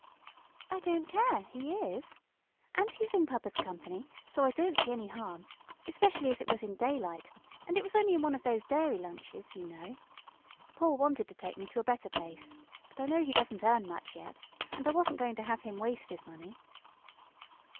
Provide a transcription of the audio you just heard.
"I don't care; he is! And he's in papa's company, so I don't see any harm especially as it was in daylight, and it was only in one of those dairy lunches, you know. Paul wanted to take me to a better place, but I know he doesn't earn much yet, and I wasn't going to have him waste his money."